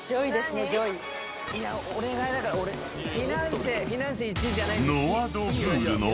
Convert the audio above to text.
お願いだから俺フィナンシェ。